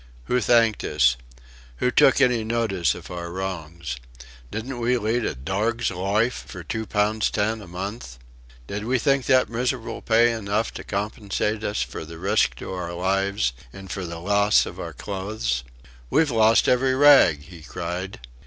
Who thanked us? Who took any notice of our wrongs? Didn't we lead a "dorg's loife for two poun' ten a month?" Did we think that miserable pay enough to compensate us for the risk to our lives and for the loss of our clothes? "We've lost every rag!" he cried.